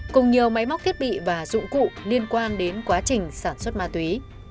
cùng nhiều máy móc thiết bị và dụng cụ liên quan đến quá trình sản xuất ma túy